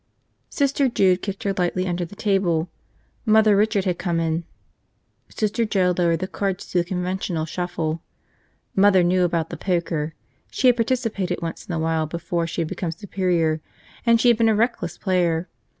... Sister Jude kicked her lightly under the table. Mother Richard had come in. Sister Joe lowered the cards to the conventional shuffle. Mother knew about the poker. She had participated once in a while before she had become superior, and she had been a reckless player.